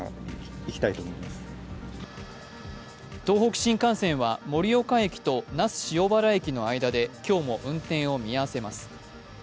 東北新幹線は盛岡駅と那須塩原駅の間で今日も運転を見合せます。